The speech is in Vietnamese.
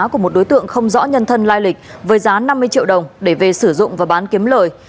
của một đối tượng không rõ nhân thân lai lịch với giá năm mươi triệu đồng để về sử dụng và bán kiếm lời